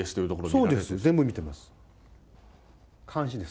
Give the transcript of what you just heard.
そうですよ、全部見てます。